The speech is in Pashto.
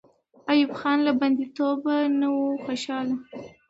ایوب خان له بندي توبه نه وو خوشحاله.